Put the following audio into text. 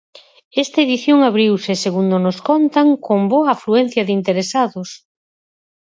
Esta edición abriuse, segundo nos contan, con boa afluencia de interesados.